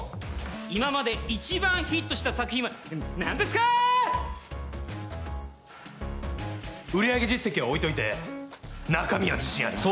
今まで一番ヒットした作品は何ですか売り上げ実績は置いといて中身は自信あります